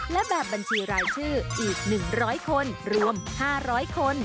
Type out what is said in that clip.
และแบบบัญชีรายชื่ออีก๑๐๐คนรวม๕๐๐คน